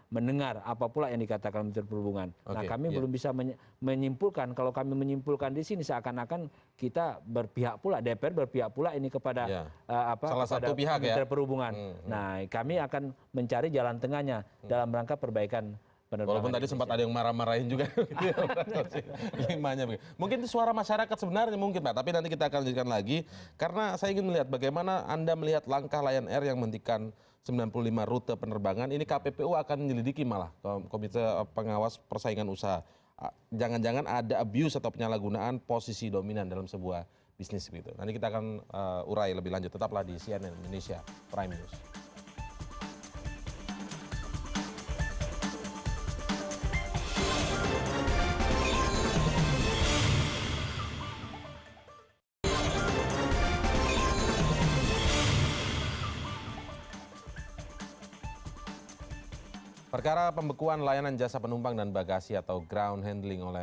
mendengar apapun yang dikatakan menteri perhubungan